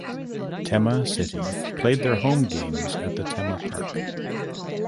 Tema City play their home games at the Tema Park.